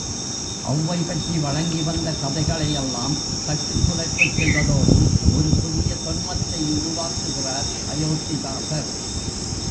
ஒளவை பற்றி வழங்கி வந்த கதைகளையெல்லாம் கட்டுக்குலைப்புச் செய்வதோடு ஒரு புதிய தொன்மத்தை உருவாக்குகிறார் அயோத்திதாசர்.